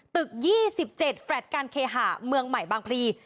ตึกยี่สิบเจ็ดแฟลต์การเคหาเมืองใหม่บางพรี